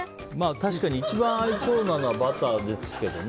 確かに一番合いそうなのはバターですけどね。